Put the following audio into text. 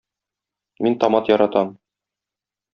Мин томат яратам.